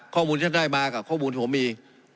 ข้อมูลที่ท่านได้มากับข้อมูลที่ผมมี